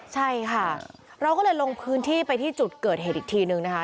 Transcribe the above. ใช่ค่ะเราก็เลยลงพื้นที่ไปที่จุดเกิดเหตุอีกทีนึงนะคะ